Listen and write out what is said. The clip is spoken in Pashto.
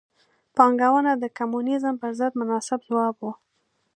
پانګونه د کمونیزم پر ضد مناسب ځواب و.